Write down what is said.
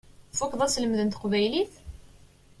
Tfukkeḍ aselmed n teqbaylit?